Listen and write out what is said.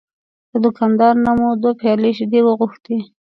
له دوکاندار نه مو دوه پیالې شیدې وغوښتې.